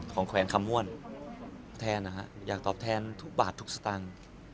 แขวงคำม่วนแทนนะฮะอยากตอบแทนทุกบาททุกสตางค์